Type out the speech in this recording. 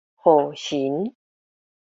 雨神